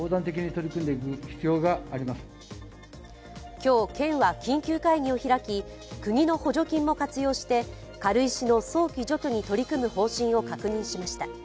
今日、県は緊急会議を開き国の補助金も活用して軽石の早期除去に取り組む方針を確認しました。